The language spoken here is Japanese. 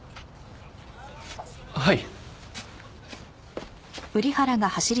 はい。